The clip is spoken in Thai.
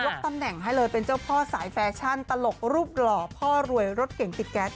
ตำแหน่งให้เลยเป็นเจ้าพ่อสายแฟชั่นตลกรูปหล่อพ่อรวยรถเก่งติดแก๊ส